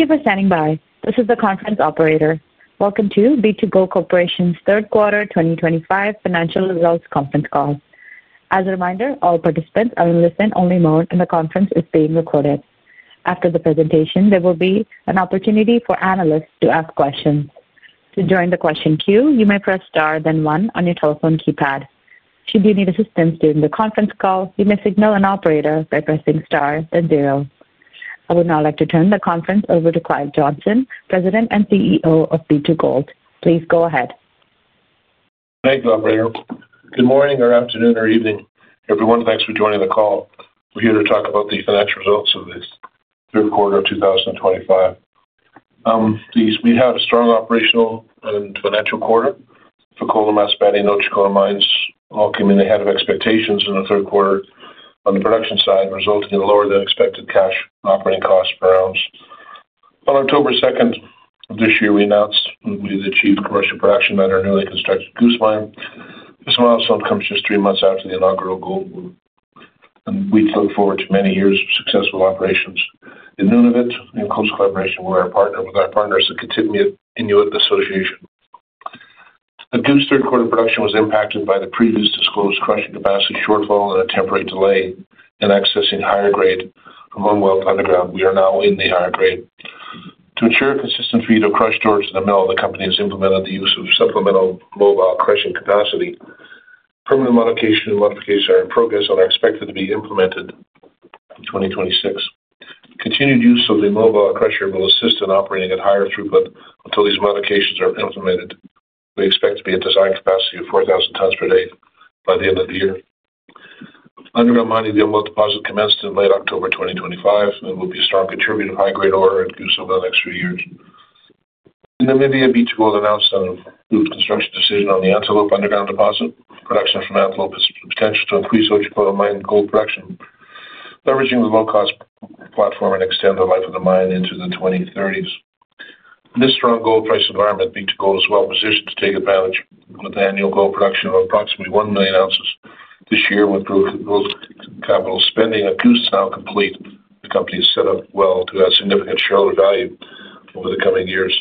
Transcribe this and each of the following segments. Thank you for standing by. This is the conference operator. Welcome to B2Gold's third quarter 2025 financial results conference call. As a reminder, all participants are in listen-only mode, and the conference is being recorded. After the presentation, there will be an opportunity for analysts to ask questions. To join the question queue, you may press * then 1 on your telephone keypad. Should you need assistance during the conference call, you may signal an operator by pressing star then zero. I would now like to turn the conference over to Clive Johnson, President and CEO of B2Gold. Please go ahead. Thank you, operator. Good morning, or afternoon, or evening, everyone. Thanks for joining the call. We're here to talk about the financial results of this third quarter of 2025. We had a strong operational and financial quarter for Fekola, Masbate, and Otjikoto mines. All came in ahead of expectations in the third quarter on the production side, resulting in lower than expected cash operating costs per ounce. On October 2 of this year, we announced we had achieved commercial production at our newly constructed Goose Mine. This milestone comes just three months after the inaugural gold. We look forward to many years of successful operations in Nunavut in close collaboration with our partners at the Kitikmeot Inuit Association. The Goose third quarter production was impacted by the previously disclosed crushing capacity shortfall and a temporary delay in accessing higher grade Umwelt underground. We are now in the higher grade. To ensure consistent feed of crushed ores in the mill, the company has implemented the use of supplemental mobile crushing capacity. Permanent modification and modifications are in progress and are expected to be implemented in 2026. Continued use of the mobile crusher will assist in operating at higher throughput until these modifications are implemented. We expect to be at design capacity of 4,000 tons per day by the end of the year. Underground mining of the Umwelt deposit commenced in late October 2025 and will be a strong contributing high-grade ore at Goose over the next few years. Nunavut, B2Gold announced an improved construction decision on the Antelope Underground Deposit. Production from Antelope is substantial to increase Otjikoto mine gold production. Leveraging the low-cost platform and extend the life of the mine into the 2030s. In this strong gold price environment, B2Gold is well positioned to take advantage with an annual gold production of approximately 1 million ounces this year with gold capital spending at Goose now complete. The company is set up well to have significant shareholder value over the coming years.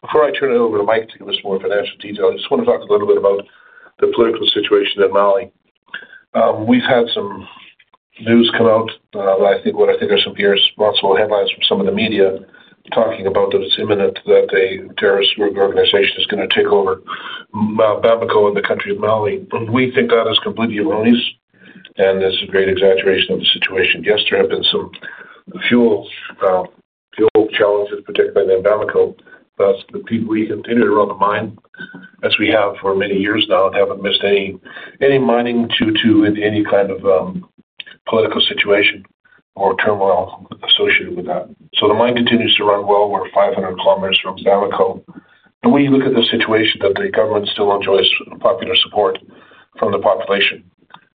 Before I turn it over to Mike to give us more financial detail, I just want to talk a little bit about the political situation in Mali. We've had some news come out that I think are some, hearse, multiple headlines from some of the media talking about that it's imminent that a terrorist group organization is going to take over Bamako in the country of Mali. We think that is completely erroneous and is a great exaggeration of the situation. Yes, there have been some fuel. Challenges, particularly in Bamako, but we continue to run the mine as we have for many years now and haven't missed any mining due to any kind of political situation or turmoil associated with that. The mine continues to run well. We're 500 kilometers from Bamako. We look at the situation that the government still enjoys popular support from the population.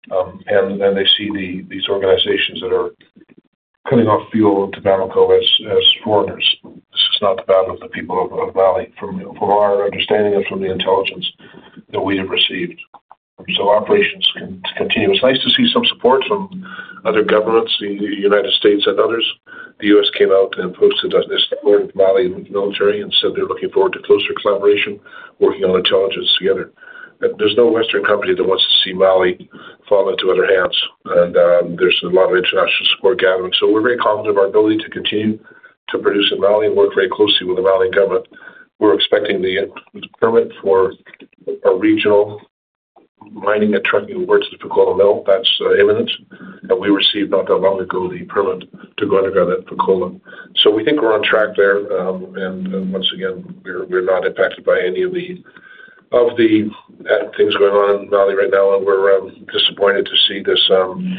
They see these organizations that are cutting off fuel to Bamako as foreigners. This is not the battle of the people of Mali, from our understanding and from the intelligence that we have received. Operations continue. It's nice to see some support from other governments, the United States and others. The U.S. came out and posted support of Mali military and said they're looking forward to closer collaboration, working on intelligence together. There's no Western company that wants to see Mali fall into other hands. There is a lot of international support gathering. We are very confident of our ability to continue to produce in Mali and work very closely with the Mali government. We are expecting the permit for our regional mining and trucking work to the Fekola mill. That is imminent. We received not that long ago the permit to go underground at Fekola. We think we are on track there. Once again, we are not impacted by any of the things going on in Mali right now. We are disappointed to see these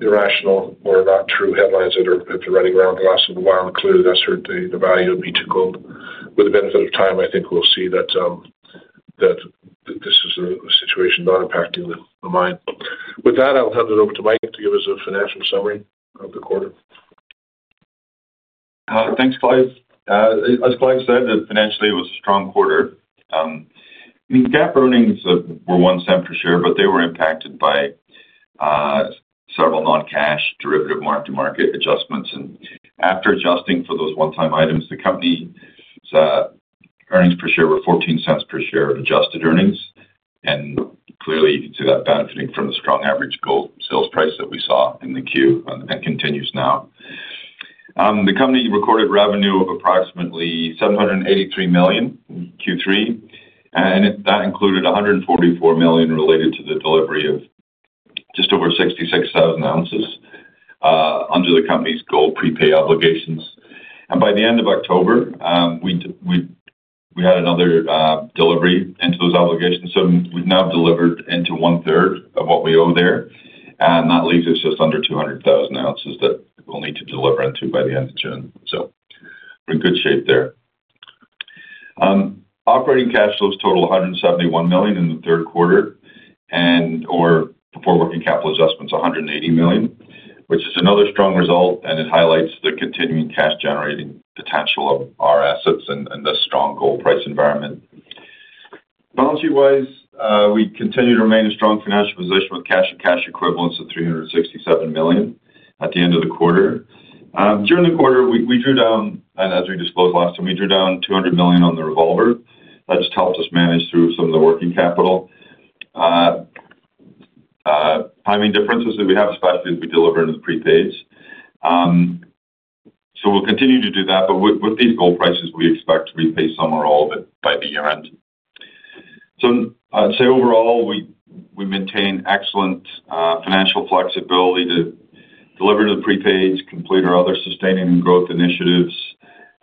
irrational or not true headlines that are running around the last little while, including ones that hurt the value of B2Gold. With the benefit of time, I think we will see that this is a situation not impacting the mine. With that, I will hand it over to Mike to give us a financial summary of the quarter. Thanks, Clive. As Clive said, financially, it was a strong quarter. I mean, GAAP earnings were one cent per share, but they were impacted by several non-cash derivative market adjustments. After adjusting for those one-time items, the company's earnings per share were $0.14 per share of adjusted earnings. Clearly, you can see that benefiting from the strong average gold sales price that we saw in the quarter and continues now. The company recorded revenue of approximately $783 million in Q3. That included $144 million related to the delivery of just over 66,000 ounces under the company's gold prepay obligations. By the end of October, we had another delivery into those obligations. We have now delivered into one-third of what we owe there. That leaves us just under 200,000 ounces that we will need to deliver into by the end of June. We're in good shape there. Operating cash flows total $171 million in the third quarter and/or before working capital adjustments, $180 million, which is another strong result. It highlights the continuing cash-generating potential of our assets and the strong gold price environment. Balance sheet-wise, we continue to remain in strong financial position with cash and cash equivalents of $367 million at the end of the quarter. During the quarter, we drew down, and as we disclosed last time, we drew down $200 million on the revolver. That just helped us manage through some of the working capital timing differences that we have, especially as we deliver into the prepays. We'll continue to do that. With these gold prices, we expect to repay some or all of it by the year-end. I'd say overall, we maintain excellent financial flexibility to deliver to the prepays, complete our other sustaining and growth initiatives,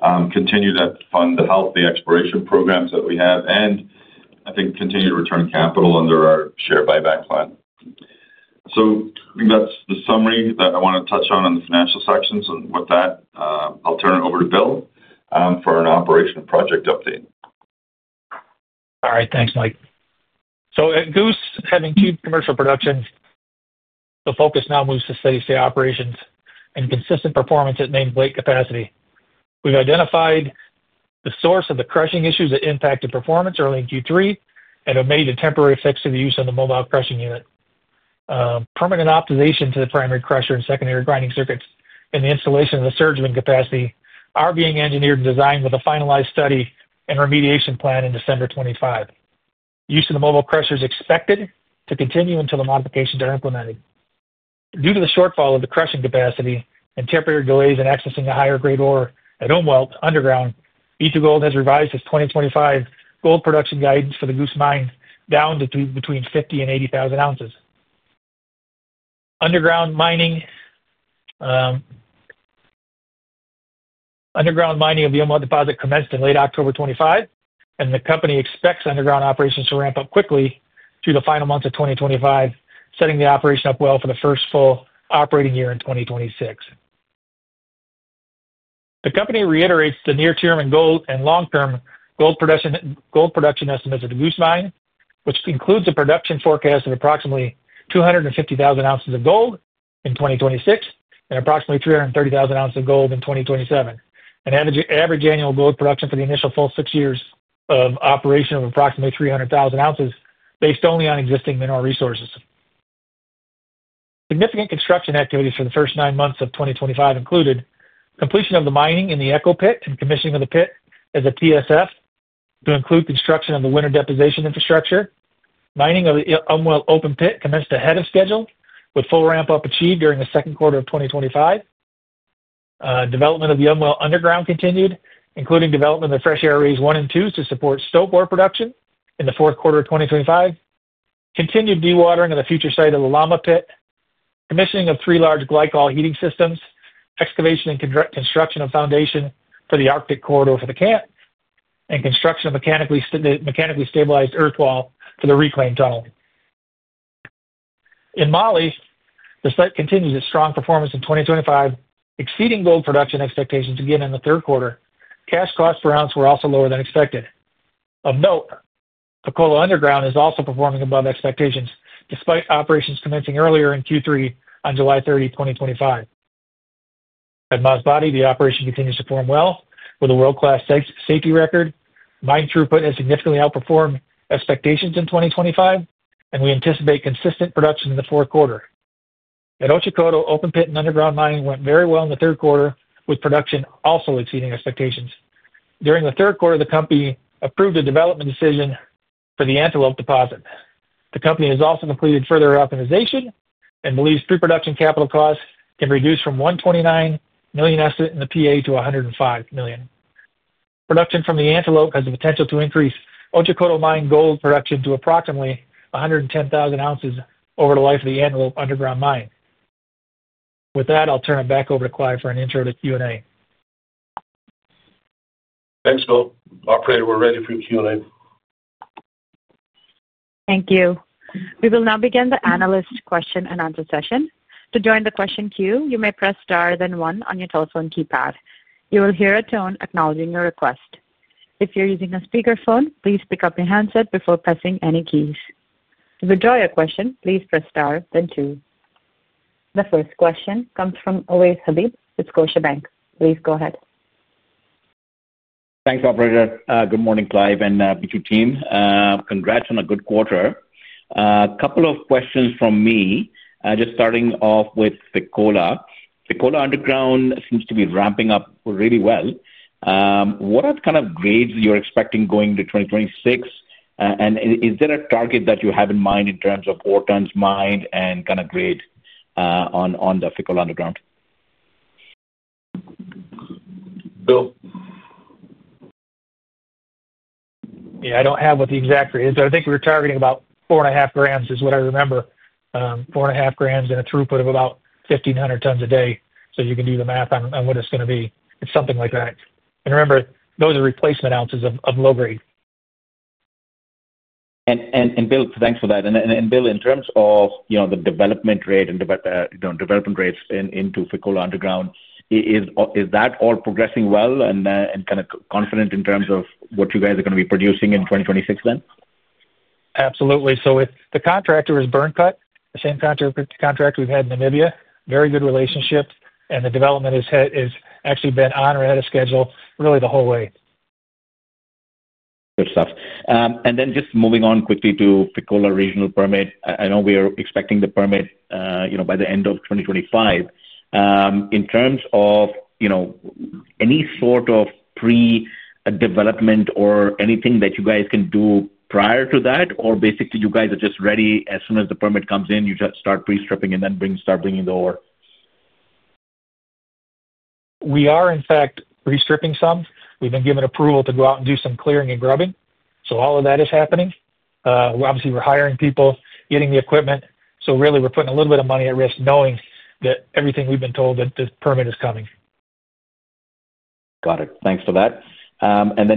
continue to fund the health, the exploration programs that we have, and I think continue to return capital under our share buyback plan. I think that's the summary that I want to touch on in the financial sections, and with that, I'll turn it over to Bill for an operation project update. All right. Thanks, Mike. At Goose, having two commercial productions, the focus now moves to steady-state operations and consistent performance at nameplate capacity. We've identified the source of the crushing issues that impacted performance early in Q3 and have made a temporary fix with the use of the mobile crushing unit. Permanent optimization to the primary crusher and secondary grinding circuits and the installation of the surge bin capacity are being engineered and designed, with a finalized study and remediation plan in December 2025. Use of the mobile crusher is expected to continue until the modifications are implemented. Due to the shortfall of the crushing capacity and temporary delays in accessing the higher-grade ore at Umwelt underground, B2Gold has revised its 2025 gold production guidance for the Goose Mine down to between 50,000 and 80,000 ounces. Underground mining. Of the Umwelt deposit commenced in late October 2025, and the company expects underground operations to ramp up quickly through the final months of 2025, setting the operation up well for the first full operating year in 2026. The company reiterates the near-term and long-term gold production estimates of the Goose Mine, which includes a production forecast of approximately 250,000 ounces of gold in 2026 and approximately 330,000 ounces of gold in 2027, and average annual gold production for the initial full six years of operation of approximately 300,000 ounces based only on existing mineral resources. Significant construction activities for the first nine months of 2025 included completion of the mining in the Echo Pit and commissioning of the pit as a TSF to include construction of the winter deposition infrastructure. Mining of the Umwelt open pit commenced ahead of schedule, with full ramp-up achieved during the second quarter of 2025. Development of the Umwelt underground continued, including development of the fresh air arrays one and two to support stope ore production in the fourth quarter of 2025. Continued dewatering of the future site of the Llama Pit, commissioning of three large glycol heating systems, excavation and construction of foundation for the Arctic corridor for the camp, and construction of mechanically stabilized earth wall for the reclaim tunnel. In Mali, the site continues its strong performance in 2025, exceeding gold production expectations again in the third quarter. Cash costs per ounce were also lower than expected. Of note, Fekola Underground is also performing above expectations, despite operations commencing earlier in Q3 on July 30, 2025. At Masbate, the operation continues to perform well with a world-class safety record. Mine throughput has significantly outperformed expectations in 2025, and we anticipate consistent production in the fourth quarter. At Otjikoto, open pit and underground mining went very well in the third quarter, with production also exceeding expectations. During the third quarter, the company approved a development decision for the Antelope deposit. The company has also completed further optimization and believes pre-production capital costs can be reduced from $129 million as set in the PA to $105 million. Production from the Antelope has the potential to increase Otjikoto mine gold production to approximately 110,000 ounces over the life of the Antelope Underground mine. With that, I'll turn it back over to Clive for an intro to Q&A. Thanks, Bill. Operator, we're ready for Q&A. Thank you. We will now begin the analyst question and answer session. To join the question queue, you may press star then one on your telephone keypad. You will hear a tone acknowledging your request. If you're using a speakerphone, please pick up your handset before pressing any keys. To withdraw your question, please press * then 2. The first question comes from Ovais Habib with Scotiabank. Please go ahead. Thanks, Operator. Good morning, Clive and B2Gold team. Congrats on a good quarter. A couple of questions from me, just starting off with Fekola. Fekola Underground seems to be ramping up really well. What kind of grades are you expecting going into 2026? And is there a target that you have in mind in terms of ore tons mined and kind of grade on the Fekola Underground? Bill?, I don't have what the exact grade is, but I think we were targeting about 4.5 grams is what I remember. 4.5 grams and a throughput of about 1,500 tons a day. You can do the math on what it's going to be. It's something like that. Remember, those are replacement ounces of low grade. Bill, thanks for that. Bill, in terms of the development rate and development rates into Fekola Underground, is that all progressing well and kind of confident in terms of what you guys are going to be producing in 2026 then? Absolutely. The contractor is Byrnecut, the same contractor we've had in Namibia. Very good relationship. The development has actually been on or ahead of schedule really the whole way. Good stuff. Just moving on quickly to Fekola regional permit, I know we are expecting the permit by the end of 2025. In terms of any sort of pre-development or anything that you guys can do prior to that, or basically you guys are just ready as soon as the permit comes in, you just start pre-stripping and then start bringing the ore? We are, in fact, pre-stripping some. We've been given approval to go out and do some clearing and grubbing. All of that is happening. Obviously, we're hiring people, getting the equipment. Really, we're putting a little bit of money at risk knowing that everything we've been told that this permit is coming. Got it. Thanks for that.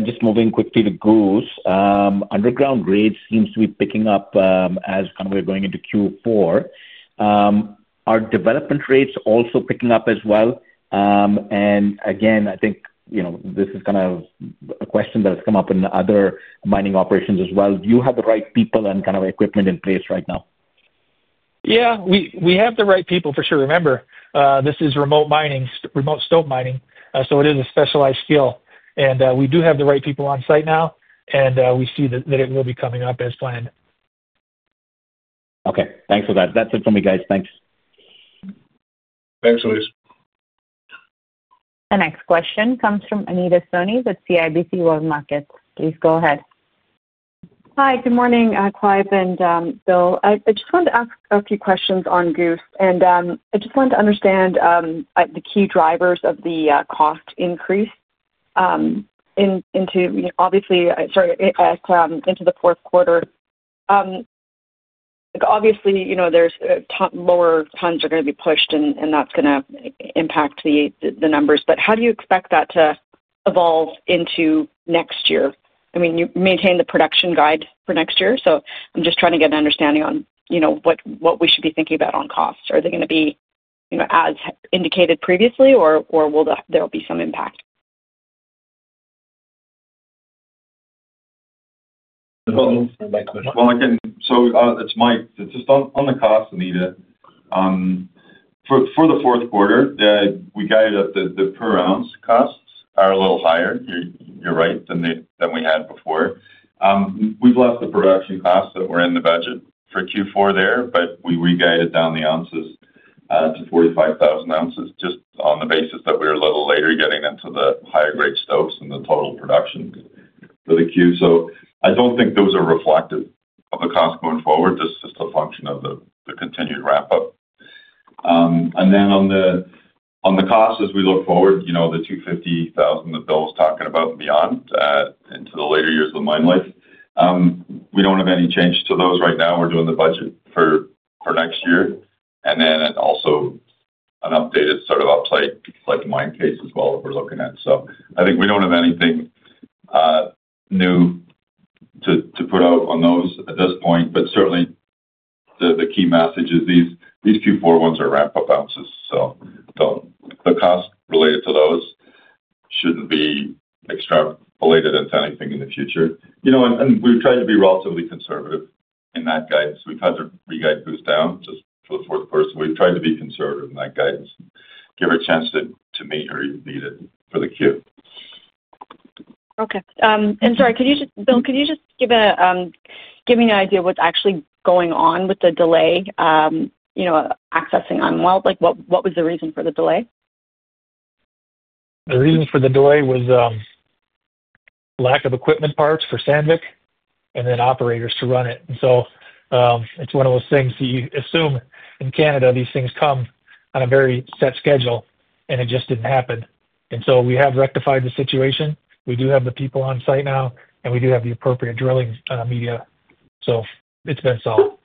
Just moving quickly to Goose, underground grade seems to be picking up as kind of we're going into Q4. Are development rates also picking up as well? I think this is kind of a question that has come up in other mining operations as well. Do you have the right people and kind of equipment in place right now? We have the right people for sure. Remember, this is remote mining, remote stope mining. So it is a specialized skill. And we do have the right people on site now. And we see that it will be coming up as planned. Okay. Thanks for that. That's it from me, guys. Thanks. Thanks, Ovais. The next question comes from Anita Soni with CIBC World Markets. Please go ahead. Hi, good morning, Clive and Bill. I just wanted to ask a few questions on Goose. I just wanted to understand the key drivers of the cost increase. Obviously, sorry, into the fourth quarter. Obviously, there are lower tons that are going to be pushed, and that's going to impact the numbers. How do you expect that to evolve into next year? I mean, you maintain the production guide for next year. I'm just trying to get an understanding on what we should be thinking about on costs. Are they going to be as indicated previously, or will there be some impact? I can, so it's Mike. It's just on the cost, Anita. For the fourth quarter, we guided up the per ounce costs are a little higher. You're right, than we had before. We've lost the production costs that were in the budget for Q4 there, but we re-guided down the ounces to 45,000 ounces just on the basis that we were a little later getting into the higher-grade stopes and the total production for the quarter. I don't think those are reflective of the cost going forward. This is just a function of the continued ramp-up. On the costs, as we look forward, the 250,000 that Bill was talking about and beyond into the later years of the mine life, we don't have any change to those right now. We're doing the budget for next year. Also. An updated sort of upside mine case as well that we're looking at. I think we don't have anything new to put out on those at this point. Certainly, the key message is these Q4 ones are ramp-up ounces. The cost related to those shouldn't be extrapolated into anything in the future. We've tried to be relatively conservative in that guidance. We've had to re-guide Goose down just for the fourth quarter. We've tried to be conservative in that guidance and give her a chance to meet her needed for the queue. Okay. Sorry, could you just, Bill, could you just give me an idea of what's actually going on with the delay? Accessing Umwelt? What was the reason for the delay? The reason for the delay was lack of equipment parts for Sandvik and then operators to run it. It is one of those things that you assume in Canada, these things come on a very set schedule, and it just did not happen. We have rectified the situation. We do have the people on site now, and we do have the appropriate drilling media. It has been solved.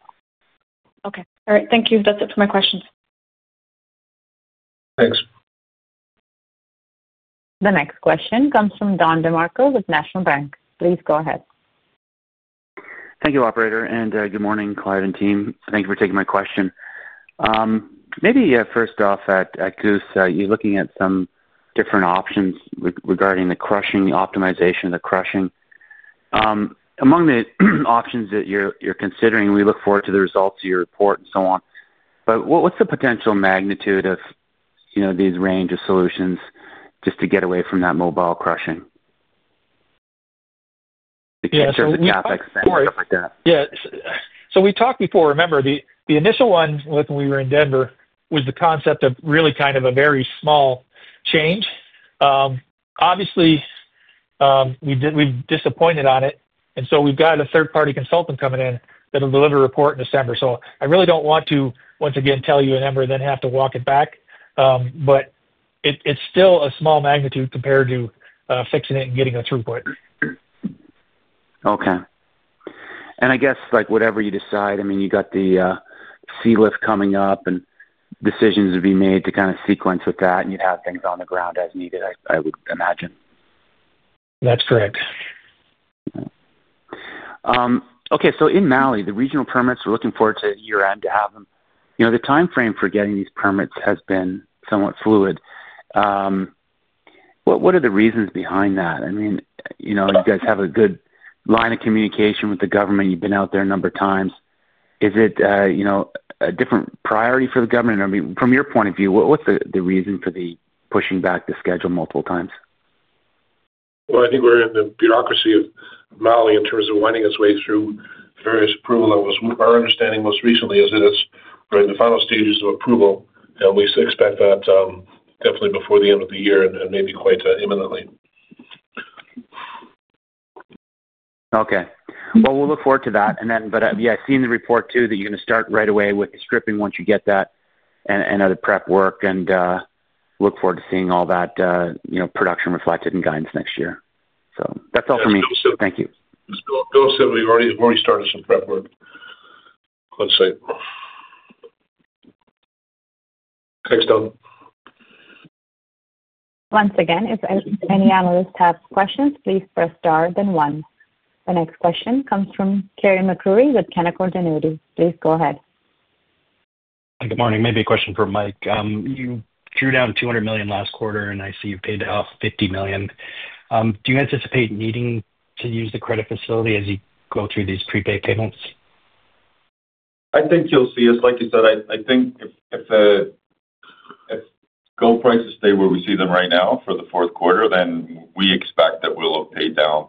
Okay. All right. Thank you. That's it for my questions. Thanks. The next question comes from Don DeMarco with National Bank. Please go ahead. Thank you, Operator. Good morning, Clive and team. Thank you for taking my question. Maybe first off at Goose, you're looking at some different options regarding the crushing, the optimization of the crushing. Among the options that you're considering, we look forward to the results of your report and so on. What's the potential magnitude of these range of solutions just to get away from that mobile crushing? The cancer of the CapEx and stuff like that. So we talked before. Remember, the initial one when we were in Denver was the concept of really kind of a very small change. Obviously, we've disappointed on it. And so we've got a third-party consultant coming in that'll deliver a report in December. I really don't want to, once again, tell you in Denver then have to walk it back. It's still a small magnitude compared to fixing it and getting a throughput. Okay. I guess whatever you decide, I mean, you got the CLIF coming up and decisions to be made to kind of sequence with that, and you'd have things on the ground as needed, I would imagine. That's correct. Okay. So in Mali, the regional permits, we're looking forward to year-end to have them. The timeframe for getting these permits has been somewhat fluid. What are the reasons behind that? I mean, you guys have a good line of communication with the government. You've been out there a number of times. Is it a different priority for the government? I mean, from your point of view, what's the reason for pushing back the schedule multiple times? I think we're in the bureaucracy of Mali in terms of winding us way through various approval levels. Our understanding most recently is that it's right in the final stages of approval, and we expect that definitely before the end of the year and maybe quite imminently. Okay. We'll look forward to that. Yeah, I've seen the report too that you're going to start right away with the stripping once you get that and other prep work and look forward to seeing all that. Production reflected in guidance next year. That's all for me. Thank you. Bill said we've already started some prep work on site. Thanks, Don. Once again, if any analysts have questions, please press* then 1. The next question comes from Kerry McCreary with Canaccord Genuity. Please go ahead. Good morning. Maybe a question for Mike. You drew down $200 million last quarter, and I see you've paid off $50 million. Do you anticipate needing to use the credit facility as you go through these prepaid payments? I think you'll see us. Like you said, I think if gold prices stay where we see them right now for the fourth quarter, then we expect that we'll have paid down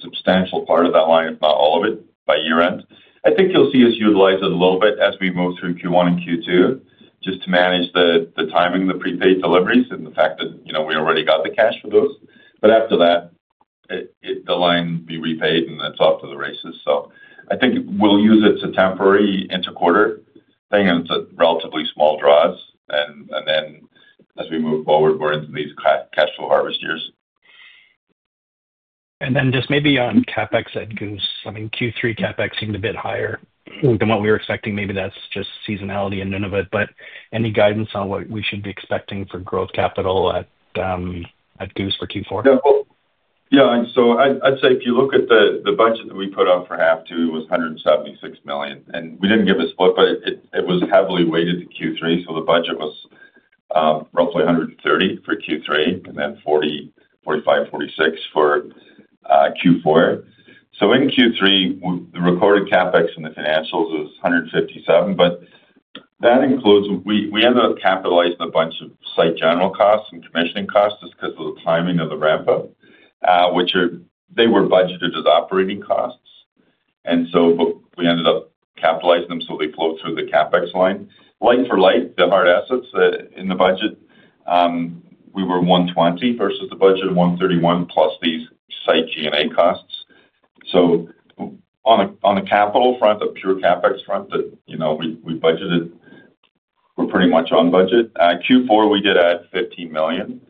a substantial part of that line, if not all of it, by year-end. I think you'll see us utilize it a little bit as we move through Q1 and Q2 just to manage the timing, the prepaid deliveries, and the fact that we already got the cash for those. After that, the line will be repaid, and it's off to the races. I think we'll use it as a temporary interquarter thing, and it's relatively small draws. As we move forward, we're into these cash flow harvest years. Maybe on CapEx at Goose, I mean, Q3 CapEx seemed a bit higher than what we were expecting. Maybe that's just seasonality in Nunavut. Any guidance on what we should be expecting for growth capital at Goose for Q4? I'd say if you look at the budget that we put out for half two, it was $176 million. We didn't give a split, but it was heavily weighted to Q3. The budget was roughly $130 million for Q3 and then $45 million-$46 million for Q4. In Q3, the recorded CapEx in the financials was $157 million. That includes we ended up capitalizing a bunch of site general costs and commissioning costs just because of the timing of the ramp-up, which they were budgeted as operating costs. We ended up capitalizing them so they flowed through the CapEx line. Like for like, the hard assets in the budget, we were $120 million versus the budget of $131 million plus these site G&A costs. On the capital front, the pure CapEx front, we budgeted. We're pretty much on budget. Q4, we did add $15 million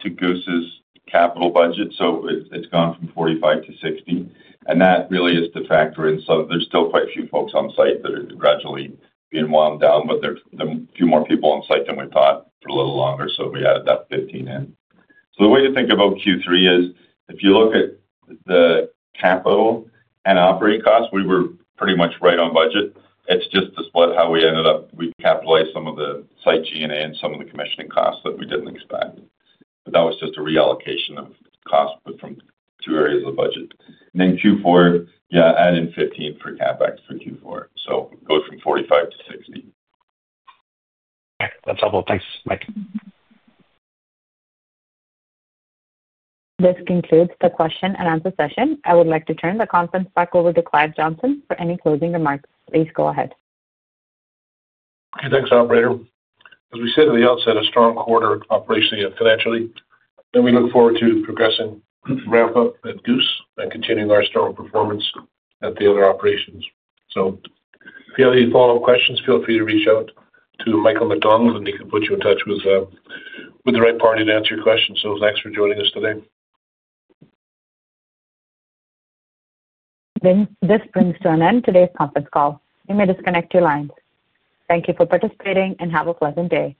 to Goose's capital budget. It has gone from $45 million to $60 million. That really is the factor. There are still quite a few folks on site that are gradually being wound down, but there are a few more people on site than we thought for a little longer. We added that $15 million in. The way to think about Q3 is if you look at the capital and operating costs, we were pretty much right on budget. It is just the split, how we ended up. We capitalized some of the site G&A and some of the commissioning costs that we did not expect. That was just a reallocation of costs from two areas of the budget. In Q4, add in $15 million for CapEx for Q4. It goes from $45 million to $60 million. Okay. That's helpful. Thanks, Mike. This concludes the question and answer session. I would like to turn the conference back over to Clive Johnson for any closing remarks. Please go ahead. Okay. Thanks, Operator. As we said at the outset, a strong quarter operationally and financially. We look forward to progressing ramp-up at Goose and continuing our strong performance at the other operations. If you have any follow-up questions, feel free to reach out to Michael McDonald, and he can put you in touch with the right party to answer your questions. Thanks for joining us today. This brings to an end today's conference call. You may disconnect your lines. Thank you for participating and have a pleasant day.